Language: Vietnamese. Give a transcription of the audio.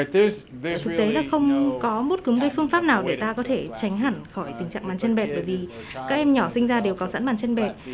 thực tế là không có một cái phương pháp nào để ta có thể tránh hẳn khỏi tình trạng bàn chân bẹt bởi vì các em nhỏ sinh ra đều có sẵn bàn chân bẹt